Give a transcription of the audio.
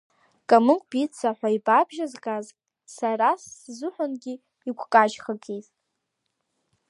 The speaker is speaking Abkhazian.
Камыгә бицца ҳәа ибабжьазгаз сара сзыҳәангьы игәкажьгахеит.